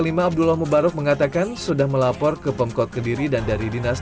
ketua rt lima abdullah mubarak mengatakan sudah melapor ke pemkot kediri dan dari dinas